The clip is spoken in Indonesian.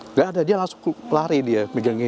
nggak ada dia langsung lari dia